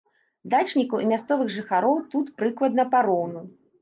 Дачнікаў і мясцовых жыхароў тут прыкладна пароўну.